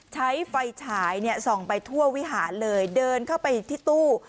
ใช้ไฟฉายส่องไปทั่ววิหารเลยเดินเข้าไปที่ตู้